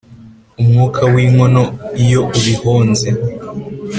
umwuka w' inkono iyo ubihonze